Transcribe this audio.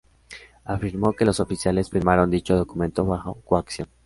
Afirmó que los oficiales firmaron dicho documento bajo coacción.